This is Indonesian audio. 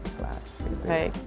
pekerjalah sesuatu yang baik